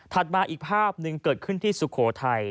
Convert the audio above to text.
มาอีกภาพหนึ่งเกิดขึ้นที่สุโขทัย